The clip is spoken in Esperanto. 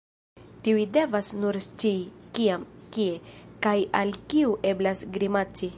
Tiuj devas nur scii, kiam, kie, kaj al kiu eblas grimaci.